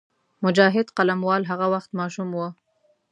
مجاهد قلموال هغه وخت ماشوم وو.